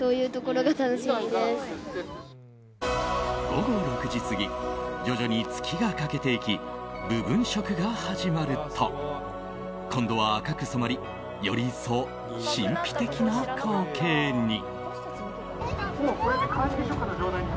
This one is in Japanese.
午後６時過ぎ徐々に月が欠けていき部分食が始まると今度は赤く染まりより一層神秘的な光景に。